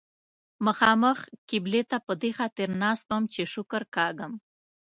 مخامخ قبلې ته په دې خاطر ناست وم چې شکر کاږم.